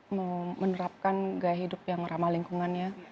aku menerapkan gaya hidup yang ramah lingkungannya